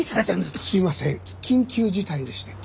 すいません緊急事態でして。